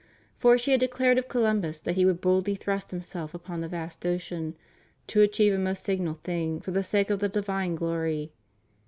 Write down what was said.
For she had declared of Co lumbus that he would boldly thrust himself upon the vast ocean, "to achieve a most signal thing, for the sake of the divine glory."